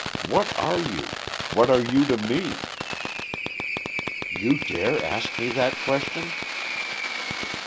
What are you? What are you to me?" "You dare ask me that question?"